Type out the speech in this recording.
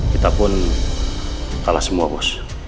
kita pun kalah semua bos